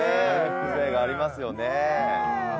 風情がありますよね。